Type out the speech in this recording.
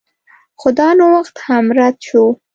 خو دا نوښت هم رد شو.